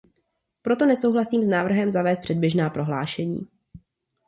Proto nesouhlasím s návrhem zavést předběžná prohlášení.